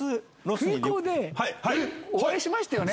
空港で、お会いしましたよね。